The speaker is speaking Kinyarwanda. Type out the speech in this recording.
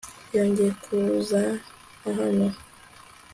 yongeye kuza hano